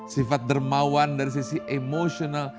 sifat dermawan dari sisi emosional